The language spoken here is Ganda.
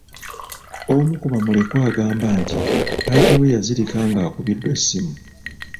Omu ku bamulekwa agamba nti taata we yazirika ng'akubiddwa essimu.